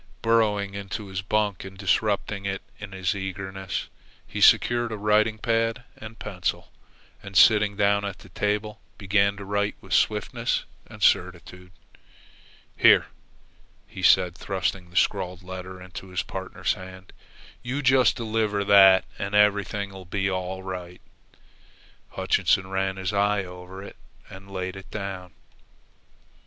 Burrowing into his bunk and disrupting it in his eagerness, he secured a writing pad and pencil, and sitting down at the table, began to write with swiftness and certitude. "Here," he said, thrusting the scrawled letter into his partner's hand. "You just deliver that and everything'll be all right." Hutchinson ran his eye over it and laid it down.